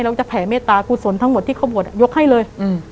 จะแผ่เมตตากุศลทั้งหมดที่เขาบวชยกให้เลย